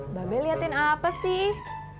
mba be liatin apa sih